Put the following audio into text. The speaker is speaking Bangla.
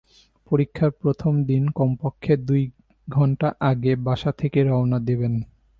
পরীক্ষার প্রথম দিন কমপক্ষে দুই ঘণ্টা আগে বাসা থেকে রওনা দেবে।